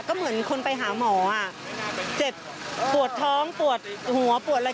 ก็เหมือนคนไปหาหมออ่ะเจ็บปวดท้องปวดหัวปวดอะไร